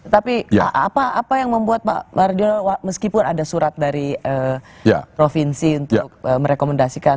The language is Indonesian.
tapi apa yang membuat pak mardio meskipun ada surat dari provinsi untuk merekomendasikan